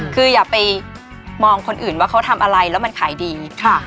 คืออย่าไปมองคนอื่นว่าเขาทำอะไรแล้วมันขายดี